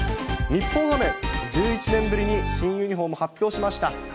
日本ハム、１１年ぶりに新ユニホーム発表しました。